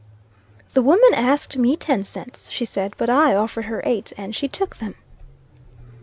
"The woman asked me ten cents," she said, "but I offered her eight, and she took them."